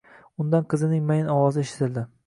Undan qizining mayin ovozi eshitildi